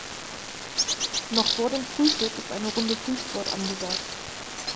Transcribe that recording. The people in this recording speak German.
Noch vor dem Frühstück ist eine Runde Frühsport angesagt.